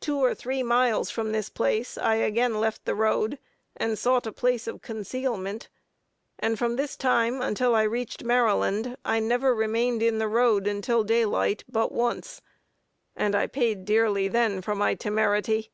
Two or three miles from this place I again left the road, and sought a place of concealment, and from this time until I reached Maryland, I never remained in the road until daylight but once, and I paid dearly then for my temerity.